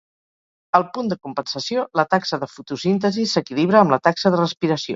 Al punt de compensació, la taxa de fotosíntesi s'equilibra amb la taxa de respiració.